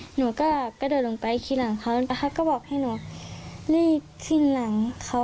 หนูก็กระโดดลงไปทีหลังเขาแล้วเขาก็บอกให้หนูรีบขึ้นหลังเขา